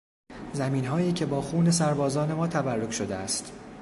زمینهایی که با خون سربازان ما تبرک شده است